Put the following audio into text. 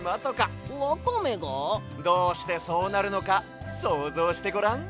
どうしてそうなるのかそうぞうしてごらん！